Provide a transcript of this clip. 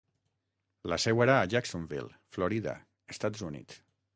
La seu era a Jacksonville, Florida, Estats Units.